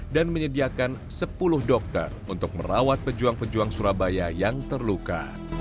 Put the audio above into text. dan menyediakan sepuluh dokter untuk merawat pejuang pejuang surabaya yang terluka